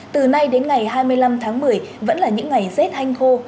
từ nay đến ngày hai mươi năm tháng một mươi vẫn là những ngày rét hanh khô